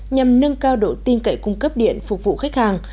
nhằm nâng cao độ tin cậy cung cấp điện phục vụ khách hàng